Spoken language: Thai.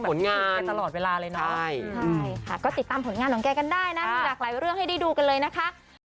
ถ้าเกิดว่านักคอมยังอยู่เราคงได้เล่นกันอะไรอย่างนี้ค่ะ